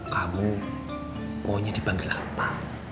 kamu maunya di panggil apa